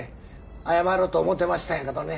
謝ろうと思てましたんやけどね。